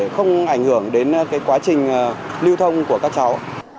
không ảnh hưởng đến quá trình lưu thông của các cháu